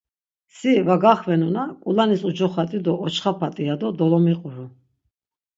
Si va gaxvenuna k̆ulanis ucoxat̆i do oçxapati ya do dolomiquru.